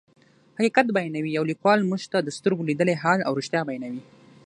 حقیقت بیانوي او لیکوال موږ ته د سترګو لیدلی حال او رښتیا بیانوي.